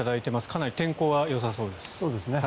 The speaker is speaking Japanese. かなり天候はよさそうです。